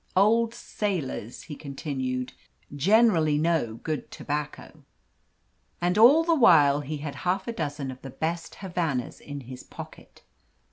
"Old sailors," he continued, "generally know good tobacco." And all the while he had half a dozen of the best Havanas in his pocket.